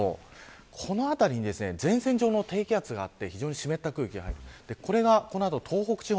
広げてみるとこの辺りに前線上の低気圧があって非常に湿った空気がある。